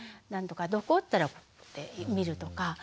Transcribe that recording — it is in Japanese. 「何とかどこ？」って言ったら見るとか。